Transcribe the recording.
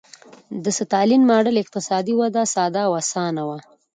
د ستالین ماډل اقتصادي وده ساده او اسانه وه.